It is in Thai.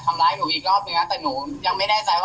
บอกว่าให้หนูโดนอย่างเดียวอะไรโดนอย่างเดียว